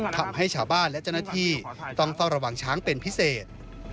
ทำให้ชาวบ้านและเจ้าหน้าที่ต้องเฝ้าระวังช้างเป็นพิเศษ